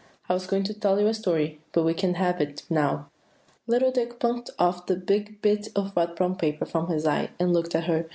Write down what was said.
I was going to tell you a story, but we can't have it now." Little Dick plucked off the big bit of wet brown paper from his eye, and looked at her.